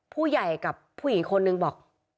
ผู้ใหญ่กับผู้หญิงคนนึงบอก